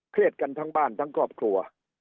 กันทั้งบ้านทั้งครอบครัว